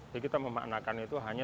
jadi kita memaknakan itu hanya